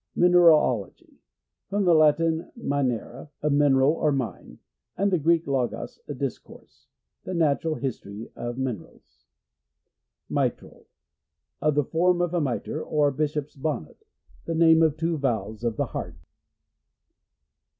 Mineralogy. — From the Latin, minr ra, a mineral or mme, and the Gn ek logos, a discourse. The natural his tory of minerals. Mitral — Of the form of a mitre, or bishop's bonnet. The name of two valves of the heart.